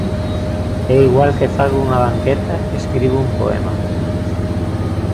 E igual que fago unha banqueta, escribo un poema.